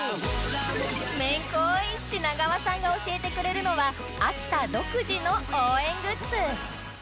めんこい品川さんが教えてくれるのは秋田独自の応援グッズ